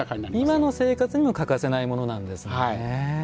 今の生活にも欠かせないものなんですね。